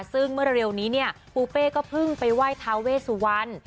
ซึ่งเมื่อเร็วนี้เนี่ยปูเป้ก็เพิ่งไปไหว้ทาเวสุวรรณ